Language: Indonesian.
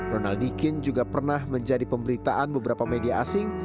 ronald dikin juga pernah menjadi pemberitaan beberapa media asing